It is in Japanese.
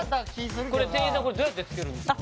これ店員さんこれどうやってつけるんですか？